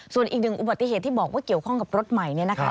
ส่วนอีกหนึ่งอุบัติเหตุที่บอกว่าเกี่ยวข้องกับรถใหม่เนี่ยนะคะ